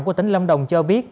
của tỉnh lâm đồng cho biết